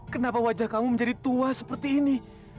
kenapa wajah kamu menjadi tua seperti ini